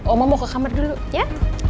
oma mau ke kamar dulu ya